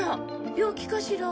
病気かしら。